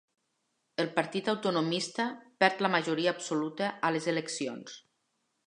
El partit autonomista perd la majoria absoluta a les eleccions.